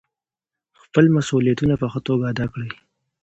خپل مسؤلیتونه په ښه توګه ادا کړئ.